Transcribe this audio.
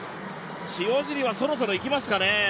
塩尻はそろそろ行きますかね？